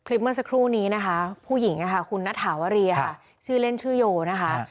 เมื่อสักครู่นี้นะคะผู้หญิงค่ะคุณณฐาวรีค่ะชื่อเล่นชื่อโยนะคะ